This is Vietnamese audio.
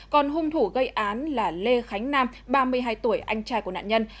còn hung thủ gây án là lê khánh nam ba mươi hai tuổi anh trai của nạn nhân